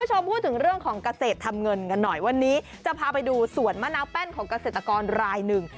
คุณผู้ชมพูดถึงเรื่องของเกษตรทำเงินกันหน่อยวันนี้จะพาไปดูสวนมะนาวแป้นของเกษตรกรรายหนึ่ง